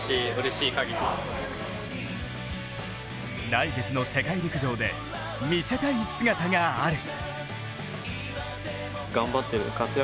来月の世界陸上で見せたい姿がある。